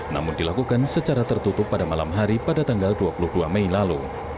namun dilakukan secara tertutup pada malam hari pada tanggal dua puluh dua mei lalu